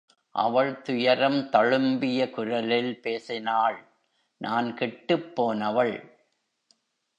அவள் துயரம் தளும்பிய குரலில் பேசினாள் நான் கெட்டுப்போனவள்.